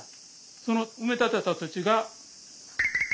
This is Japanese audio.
その埋め立てた土地が。